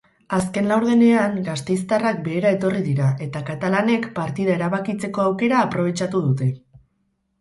Azken laurdenean gasteiztarrak behera etorri dira eta katalanek partida erabakitzeko aukera aprobetxatu dute.